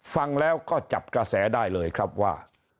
ฟังแล้วก็จับกระแสได้เลยครับว่า